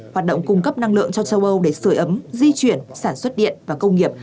hoạt động cung cấp năng lượng cho châu âu để sửa ấm di chuyển sản xuất điện và công nghiệp